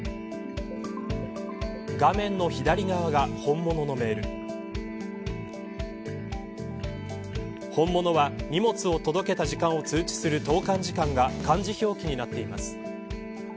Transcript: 画面の左側が本物のメール本物は、荷物を届けた時間を通知する投函時間が漢字表記になっています。